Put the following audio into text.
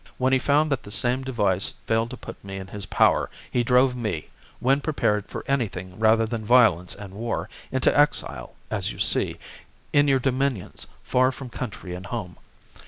When he found that the same device failed to put me in his power, he drove m.e, when prepared for anything rather than violence and war, into exile, as you see, in your dominions, far from country and home.